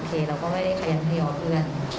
โอเคเราก็ไม่ได้เขยันพยายามเพื่อน